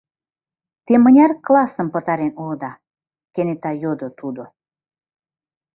— Те мыняр классым пытарен улыда? — кенета йодо тудо.